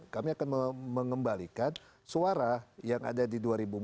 kami akan mengembalikan suara yang ada di dua ribu empat belas